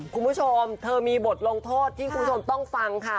คุณผู้ชมเธอมีบทลงโทษที่คุณผู้ชมต้องฟังค่ะ